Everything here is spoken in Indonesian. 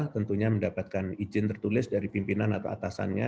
tentunya mendapatkan izin tertulis dari pimpinan atau atasannya